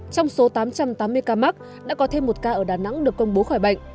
trong số tám trăm tám mươi ca mắc đã có thêm một ca ở đà nẵng được công bố khỏi bệnh